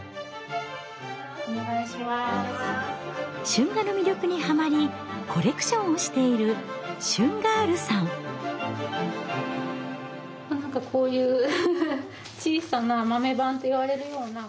春画の魅力にハマりコレクションをしているこういう小さな豆判といわれるような。